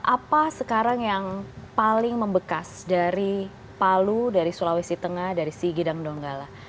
apa sekarang yang paling membekas dari palu dari sulawesi tengah dari sigi dan donggala